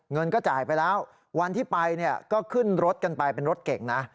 เงินก็จ่ายไปแล้ววันที่ไปเนี่ยก็ขึ้นรถกันไปเป็นรถเก่งนะ